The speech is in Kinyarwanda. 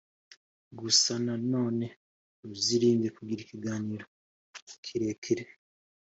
gusa nanone uzirinde kugira ikiganiro kirekire